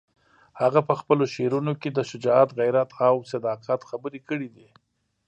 هغه په خپلو شعرونو کې د شجاعت، غیرت او صداقت خبرې کړې دي.